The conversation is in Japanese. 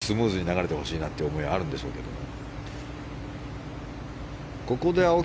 もう少しスムーズに流れてほしいなという思いがあるんでしょうけれども。